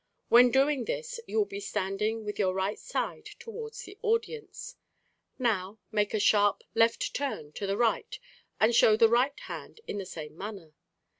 When doing this you will be standing with your right side towards the audience. Now make a sharp half turn to the right and show the right hand in the same manner.